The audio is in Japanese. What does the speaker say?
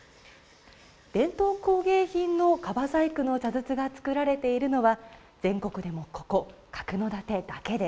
伝統工芸品の樺細工の茶筒が作られているのは全国でもここ角館だけです。